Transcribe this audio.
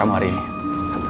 ya udah bisa i degrees aja logsan